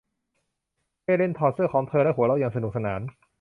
เฮเลนถอดเสื้อของเธอและหัวเราะอย่างสนุกสนาน